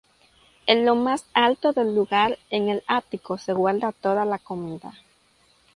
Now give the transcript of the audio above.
En lo más alto del lugar, en el ático se guarda toda la comida.